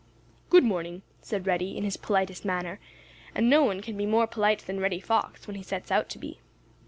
"Good morning," said Reddy in his politest manner, and no one can be more polite than Reddy Fox when he sets out to be.